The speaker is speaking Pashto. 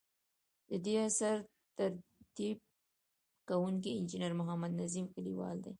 ددې اثر ترتیب کوونکی انجنیر محمد نظیم کلیوال دی.